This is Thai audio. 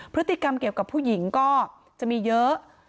พฤติกรรมเกี่ยวกับผู้หญิงก็จะมีเยอะ